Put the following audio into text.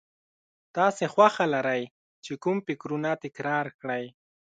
تاسې خوښه لرئ چې کوم فکرونه تکرار کړئ.